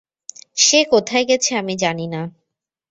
সে কোথায় গেছে আমি জানি না।